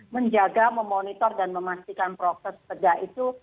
menjaga memonitor dan memastikan proses tegak itu